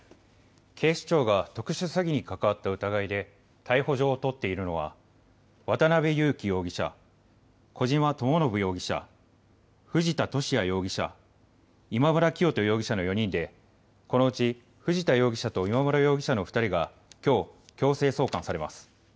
警視庁が特殊詐欺に関わった疑いで逮捕状を取っているのは渡邉優樹容疑者、小島智信容疑者、藤田聖也容疑者、今村磨人容疑者の４人でこのうち藤田容疑者と今村容疑者の２人がきょう強制送還されます。